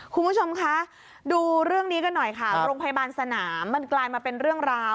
คุณผู้ชมคะดูเรื่องนี้กันหน่อยค่ะโรงพยาบาลสนามมันกลายมาเป็นเรื่องราว